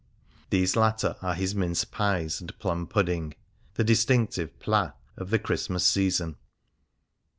These latter are his mince pies and plum pudding, the distinctive plats of the Christmas season.